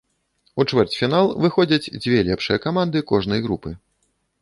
У чвэрцьфінал выходзяць дзве лепшыя каманды кожнай групы.